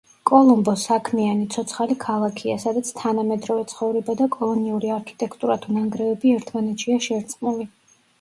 კოლომბო საქმიანი, ცოცხალი ქალაქია, სადაც თანამედროვე ცხოვრება და კოლონიური არქიტექტურა თუ ნანგრევები ერთმანეთშია შერწყმული.